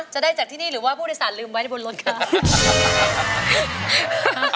จะได้จากที่นี่หรือว่าผู้โดยสารลืมไว้ในบนรถคะ